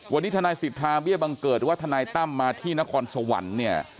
วันนี้ทนายสิทธาเบี้ยบังเกิดหรือว่าทนายตั้มมาที่นครสวรรค์เนี่ย